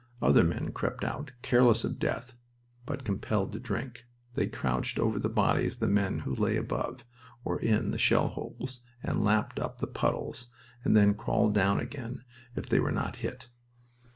Other men crept out, careless of death, but compelled to drink. They crouched over the bodies of the men who lay above, or in, the shell holes, and lapped up the puddles and then crawled down again if they were not hit.